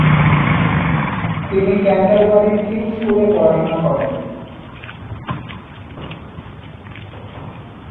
তিনি ক্যান্টারবারির কিং'স স্কুলে পড়াশোনা করেন।